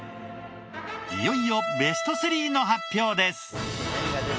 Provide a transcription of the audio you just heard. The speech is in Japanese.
いよいよベスト３の発表です。